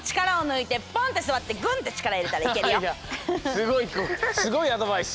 すごいすごいアドバイス。